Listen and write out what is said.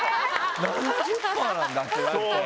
７０％なんだなって。